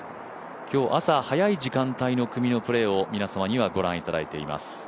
今日朝、早い時間帯の組のプレーを皆様にはご覧いただいています。